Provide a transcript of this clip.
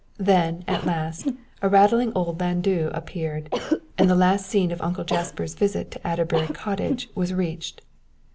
Then, at last, a rattling old landau appeared, and the last scene of Uncle Jasper's visit to Adderbury Cottage was reached.